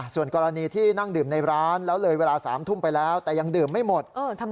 ส่วนกรณีที่นั่งดื่มในร้านแล้วเลยเวลา๓ทุ่มไปแล้วแต่ยังดื่มไม่หมด